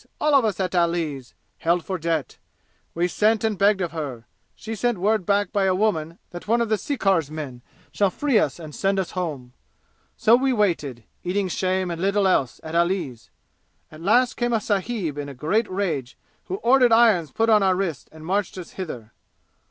All of us at Ali's held for debt. We sent and begged of her. She sent word back by a woman that one of the sirkar's men shall free us and send us home. So we waited, eating shame and little else, at Ali's. At last came a sahib in a great rage, who ordered irons put on our wrists and us marched hither.